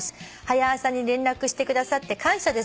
「『はや朝』に連絡してくださって感謝です」